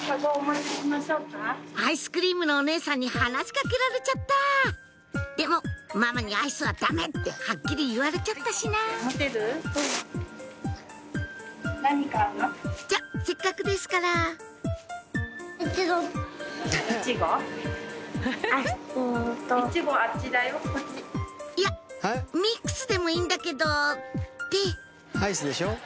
アイスクリームのお姉さんに話しかけられちゃったでもママにアイスはダメってはっきり言われちゃったしなじゃあせっかくですから「いやミックスでもいいんだけど」ってアイスでしょ？